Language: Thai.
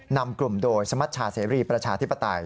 นำกลุ่มโดยสมัชชาเสรีประชาธิปไตย